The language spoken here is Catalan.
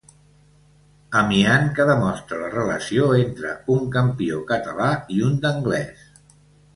Amiant que demostra la relació entre un campió català i un d'anglès.